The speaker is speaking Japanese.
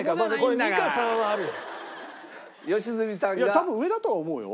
多分上だとは思うよ。